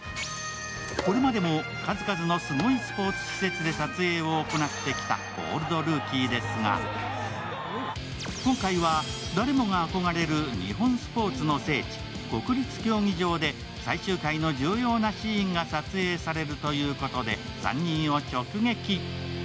これまでも数々のすごいスポーツ施設で撮影を行ってきた「オールドルーキー」ですが今回は誰もが憧れる日本スポーツの聖地、国立競技場で最終回の重要なシーンが撮影されるということで３人を直撃。